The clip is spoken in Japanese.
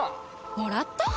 もらった？